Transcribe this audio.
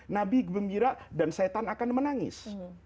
nabi gembira dan setan akan menangis